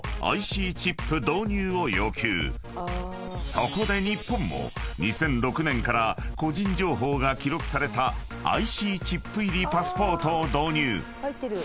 ［そこで日本も２００６年から個人情報が記録されたＩＣチップ入りパスポートを導入］